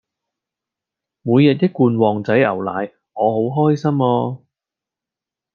每日一罐旺仔牛奶我好開心啊